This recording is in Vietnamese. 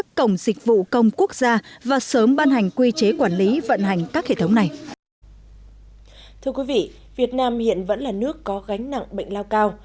thưa quý vị việt nam hiện vẫn là nước có gánh nặng bệnh lao cao